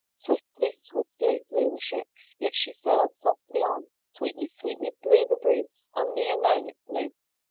Swiftly, swiftly flew the ship, Yet she sail'd softly too: Sweetly, sweetly blew the breeze On me alone it blew.